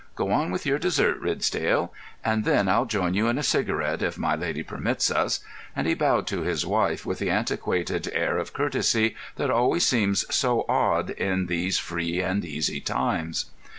Go on with your dessert, Ridsdale—and then I'll join you in a cigarette, if my lady permits us," and he bowed to his wife with the antiquated air of courtesy that always seems so odd in these free and easy times.